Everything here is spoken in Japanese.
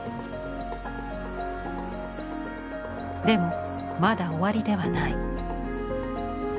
でもまだ終わりではない。